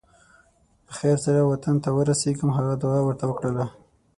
په خیر سره وطن ته ورسېږم هغه دعا ورته وکړله.